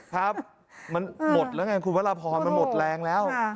ครับมันหมดแล้วไงคุณพระราพรมันหมดแรงแล้ว